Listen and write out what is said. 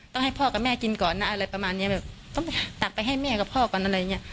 ต้องให้พ่อกับแม่กินก่อนนะอะไรประมาณเนี้ยแบบต้องตักไปให้แม่กับพ่อก่อนอะไรอย่างเงี้ย